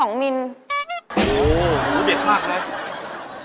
โอ้โฮหูเด็กมากเลย